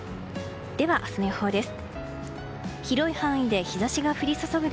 では、明日の予報です。